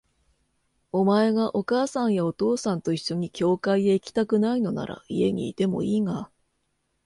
お前がお母さんやお父さんと一緒に教会へ行きたくないのなら、家にいてもいいが、